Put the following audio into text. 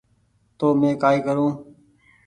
تونٚ مينٚ ڪآئي ڪرون